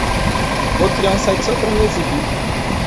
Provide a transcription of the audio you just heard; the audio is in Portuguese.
Vou criar um site só para me exibir!